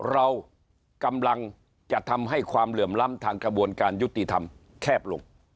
เรากำลังจะทำให้ความเหลื่อมล้ำทางกระบวนการยุติธรรมแคบลง